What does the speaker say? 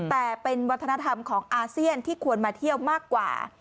แต่เป็นวัฒนธรรมของอาเซียนที่ควรมาเที่ยวมากกว่า